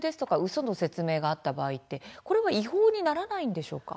その説明があった場合違法にはならないんでしょうか。